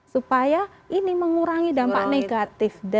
supaya ini mengurangi dampak negatif